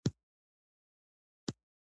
هغوی په موزون شعله کې پر بل باندې ژمن شول.